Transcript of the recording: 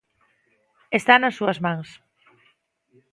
Está nas súas mans.